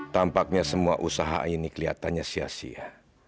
tampaknya semua usaha ini kelihatannya sia sia